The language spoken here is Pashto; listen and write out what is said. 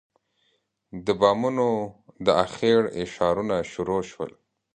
د بامونو د اخېړ اشارونه شروع شول.